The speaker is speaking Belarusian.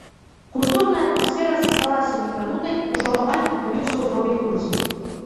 Культурная атмасфера засталася некранутай, ужо амаль аднавіўся ўзровень турызму.